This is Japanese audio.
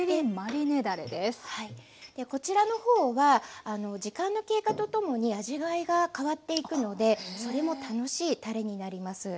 こちらの方は時間の経過とともに味わいが変わっていくのでそれも楽しいたれになります。